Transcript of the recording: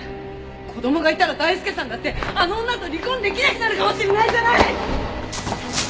子供がいたら大輔さんだってあの女と離婚出来なくなるかもしれないじゃない！